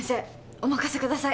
お任せください